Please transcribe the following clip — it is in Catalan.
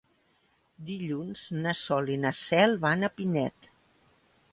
Dilluns na Sol i na Cel van a Pinet.